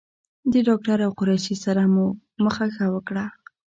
د ډاکټر او قریشي سره مو مخه ښه وکړه.